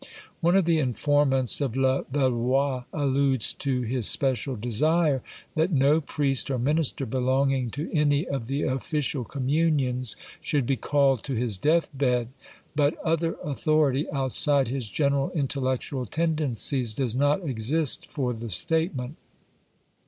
One of the informants of Levallois alludes to his special desire that no priest or minister belonging to any of the official communions should be called to his death bed, but other authority, outside his general intellectual tendencies, does not exist for the statement.